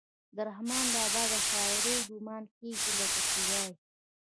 د رحمان بابا د شاعرۍ ګمان کيږي لکه چې وائي: